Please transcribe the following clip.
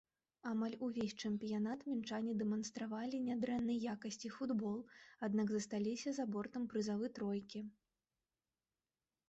Амаль увесь чэмпіянат мінчане дэманстравалі нядрэннай якасці футбол, аднак засталіся за бортам прызавы тройкі.